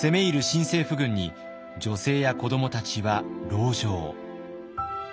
新政府軍に女性や子どもたちは籠城。